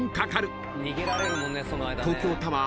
［東京タワー